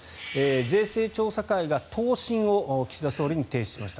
税制調査会が答申を岸田総理に提出しました。